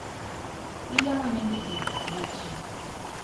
Ilemo nyadidi odiechieng’?